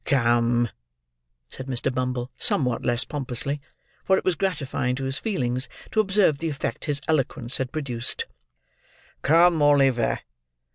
"Come," said Mr. Bumble, somewhat less pompously, for it was gratifying to his feelings to observe the effect his eloquence had produced; "Come, Oliver!